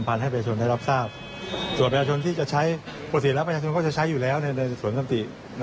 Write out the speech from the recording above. พัติรับประชาชนก็ใช้อยู่แล้วในสวนท่ำติ